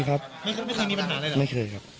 จำได้มั้ยว่ายิงไปกี่นักครับ